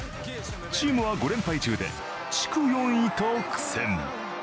チームは５連敗中で地区４位と苦戦。